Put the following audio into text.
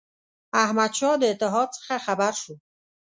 احمدشاه د اتحاد څخه خبر شو.